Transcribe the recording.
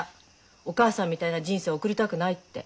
お母さんみたいな人生送りたくないって。